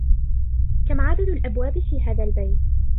كم عدد الأبواب في هذا البيت؟